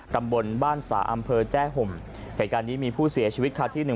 ตำบลบ้านสาอำเภอแจ้ห่มเหตุการณ์นี้มีผู้เสียชีวิตค่ะที่หนึ่ง